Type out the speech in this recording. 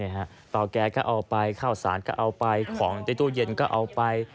เฮะก็เอาไปข้าวสารก็เอาไปของในตู้เย็นก็เอาไป